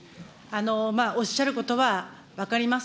おっしゃることは分かります。